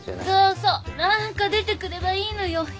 そうそう何か出てくればいいのよ。